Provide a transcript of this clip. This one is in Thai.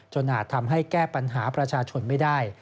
อาจทำให้แก้ปัญหาประชาชนไม่ได้